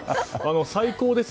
最高です！